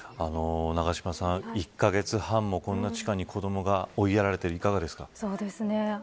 永島さん、１カ月半もこんな地下に子どもが追いやられているいかがですか。